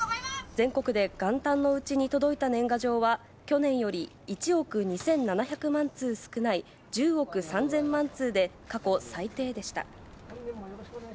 全国で元旦のうちに届いた年賀状は、去年より１億２７００万通少ない、１０億３０００万通で、過去最低でした。